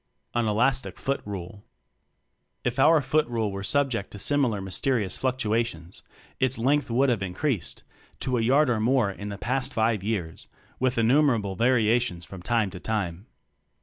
An Elastic Foot Rule! If our foot rule were subject to similar mysterious fluctuations, its length would have increased to a yard or more in the past five years, with innumerable variations from time to time.